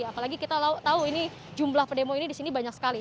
apalagi kita tahu jumlah pedemo ini disini banyak sekali